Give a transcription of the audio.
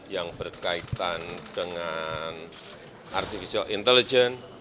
yang berkaitan dengan artificial intelligence